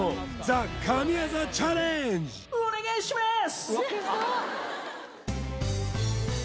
お願いします！